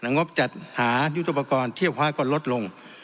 งบจัดหายุทธุปกรณ์เทียบคว้าก็ลดลง